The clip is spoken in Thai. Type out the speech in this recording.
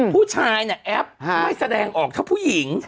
ผู้ชายเนี่ยแอปไม่แสดงออกเท่าผู้หญิง